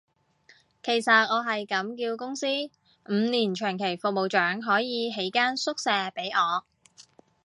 其實我係咁叫公司，五年長期服務獎可以起間宿舍畀我